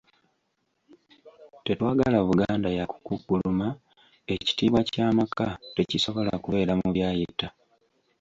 Tetwagala Buganda yakukukkuluma, ekitiibwa kya maka tekisobola kubeera mu byayita.